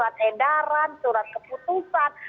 kendaraan surat keputusan